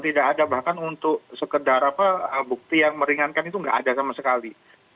tidak ada bahkan untuk sekedar bukti yang meringankan itu tidak ada sama sekali